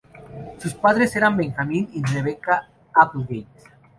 Sus padres eran Benjamin y Rebecca Applegate.